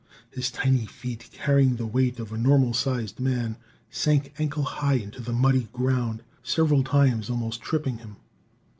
His tiny feet, carrying the weight of a normal sized man, sank ankle high into the muddy ground, several times almost tripping him.